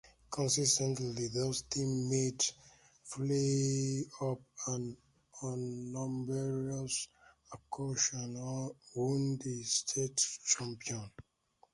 Consistently these teams made playoffs and on numerous occasions won the state championship.